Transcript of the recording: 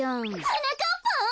はなかっぱん？